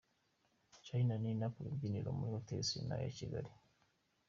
Charly na Nina ku rubyiniro muri hoteli Serena ya Kigali.